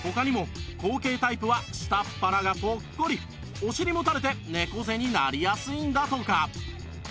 お尻も垂れて猫背になりやすいんだとか